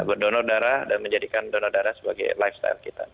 berdonor darah dan menjadikan donor darah sebagai lifestyle kita